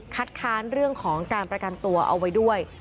ค้านเรื่องของการประกันตัวเอาไว้ด้วย